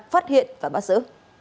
phát hiện và bắt giữ